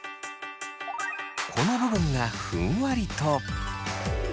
この部分がふんわりと。